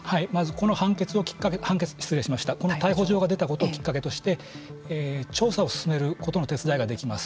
まず、この逮捕状が出たことをきっかけとして調査を進めることの手伝いができます。